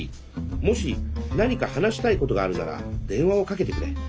もし何か話したいことがあるなら電話をかけてくれ。